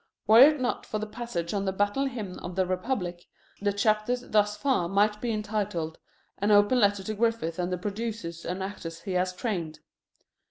Were it not for the passage on The Battle Hymn of the Republic, the chapters thus far might be entitled: "an open letter to Griffith and the producers and actors he has trained."